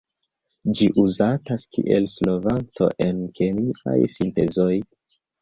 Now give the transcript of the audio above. Ĝi uzatas kiel solvanto en kemiaj sintezoj.